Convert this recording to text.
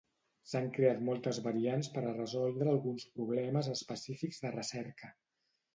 S'han creat moltes variants per a resoldre alguns problemes específics de recerca.